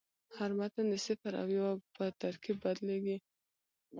هر متن د صفر او یو په ترکیب بدلېږي.